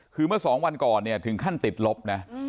คือเมื่อสองวันก่อนถึงขั้นติดลบนะ